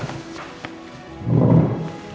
bisa banyak gak